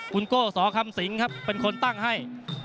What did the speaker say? คุณโก้สอคำสิงครับเป็นคนตั้งให้